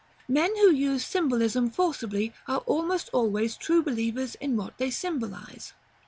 Men who use symbolism forcibly are almost always true believers in what they symbolize.